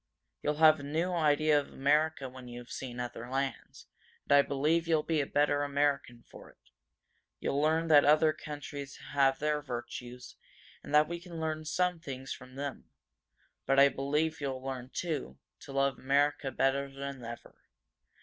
You'll have a new idea of America when you have seen other lands, and I believe you'll be a better American for it. You'll learn that other countries have their virtues, and that we can learn some things from them. But I believe you'll learn, too, to love America better than ever.